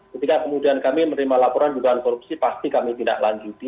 ketika kemudian kami menerima laporan dugaan korupsi pasti kami tidak lanjuti